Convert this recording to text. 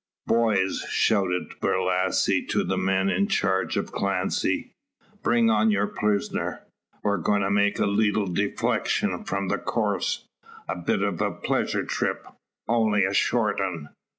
"Boys!" shouts Borlasse to the men in charge of Clancy, "bring on your prisoner! We're going to make a leetle deflection from the course a bit o' a pleasure trip only a short un."